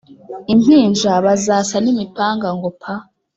Impinja bazasa n'imipanga ngo pa